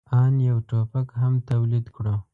آن یو ټوپک هم تولید کړو.